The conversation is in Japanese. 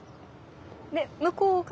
で向こうが。